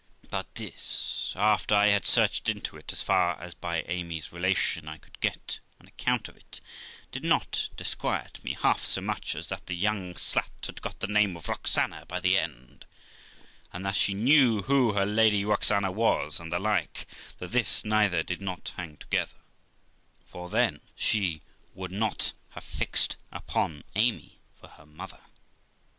But this, after I had searched into it, as far as by Amy's relation I could get an account of it, did not disquiet me half so much as that the young slut had got the name of Roxana by the end, and that she knew who her Lady Roxana was, and the like; though this, neither, did not hang together, for then she would not have fixed upon Amy for her mother.